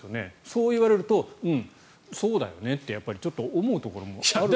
そう言われるとそうだよねって思うところもある。